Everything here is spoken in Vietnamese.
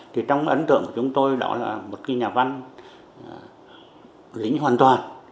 thì trong ấn tượng của chúng tôi đó là một cái nhà văn lính hoàn toàn